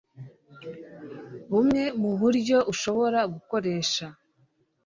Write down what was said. bumwe mu buryo ushobora gukoresha